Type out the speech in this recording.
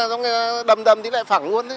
xong rồi đầm đầm tí lại phẳng luôn